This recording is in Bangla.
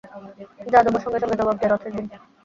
যাদবও সঙ্গে সঙ্গে জবাব দেয়, রথের দিন।